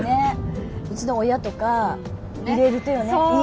うちの親とか入れるとよね家に。